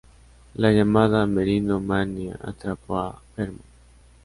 La llamada 'merino manía' atrapó a Vermont.